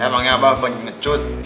emangnya abah pengen ngecut